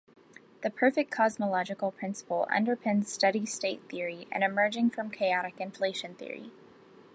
The perfect cosmological principle underpins Steady State theory and emerging from chaotic inflation theory.